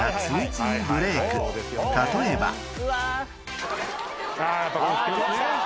［例えば］